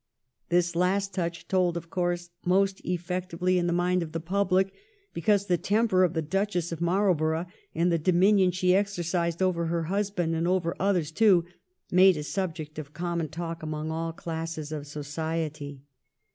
This last touch told, of course, most efiec tively in the mind of the public, because the temper of the Duchess of Marlborough, and the dominion she exercised over her husband, and over others too, made a subject of common talk among all classes of society.